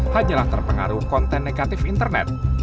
hanyalah terpengaruh konten negatif internet